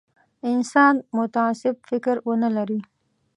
انسان متعصب فکر ونه لري.